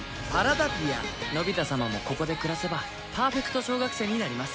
のび太様もここで暮らせばパーフェクト小学生になります。